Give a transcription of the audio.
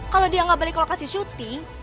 kalau dia nggak balik ke lokasi syuting